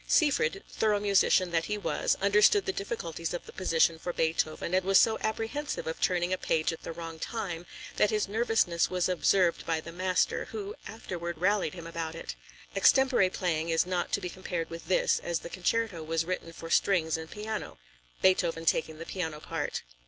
Seyfried, thorough musician that he was, understood the difficulties of the position for Beethoven, and was so apprehensive of turning a page at the wrong time, that his nervousness was observed by the master, who afterward rallied him about it. Extempore playing is not to be compared with this, as the concerto was written for strings and piano, Beethoven taking the piano part.